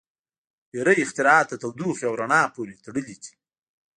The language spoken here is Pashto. • ډیری اختراعات د تودوخې او رڼا پورې تړلي دي.